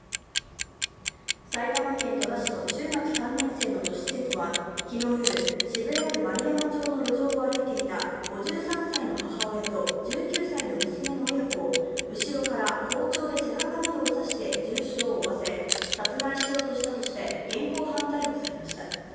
埼玉県戸田市の中学３年生の女子生徒は、昨日夜、渋谷区円山町の路上を歩いていた５３歳の母親と１９歳の娘の親子を後ろから包丁で背中などを刺して重傷を負わせ殺害しようとしたとして現行犯逮捕されました。